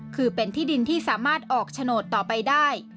คือเป็นที่ดินที่สามารถออกโฉนดต่อไปได้